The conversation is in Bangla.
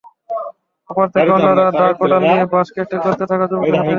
ওপর থেকে অন্যরা দা-কুড়াল দিয়ে বাঁশ কেটে গর্তে থাকা যুবকদের হাতে দিচ্ছেন।